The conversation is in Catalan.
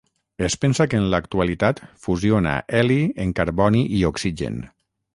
Es pensa que en l'actualitat fusiona heli en carboni i oxigen.